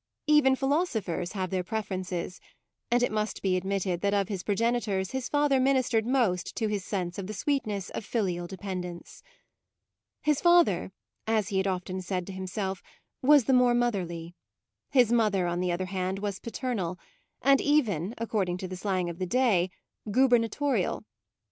Even philosophers have their preferences, and it must be admitted that of his progenitors his father ministered most to his sense of the sweetness of filial dependence. His father, as he had often said to himself, was the more motherly; his mother, on the other hand, was paternal, and even, according to the slang of the day, gubernatorial.